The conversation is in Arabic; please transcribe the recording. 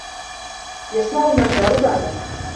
يَصْنَعُ النَّجَّارُ بَابًا.